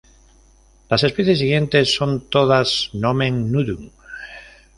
Las especies siguientes son todas "nomen nudum".